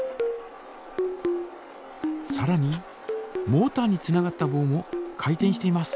さらにモータにつながったぼうも回転しています。